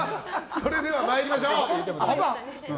それでは参りましょう。